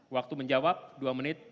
waktu menjawab dua menit